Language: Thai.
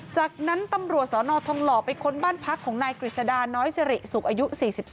จากนั้นตำรวจสนทองหล่อไปค้นบ้านพักของนายกฤษดาน้อยสิริสุขอายุ๔๒